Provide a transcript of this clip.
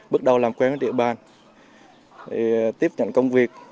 bước đầu làm quen với địa bàn để tiếp nhận công việc